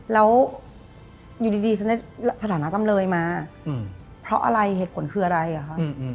แล้วอยู่ดีฉันได้สถานะจำเลยมาเพราะอะไรเหตุผลคืออะไรอ่ะคะ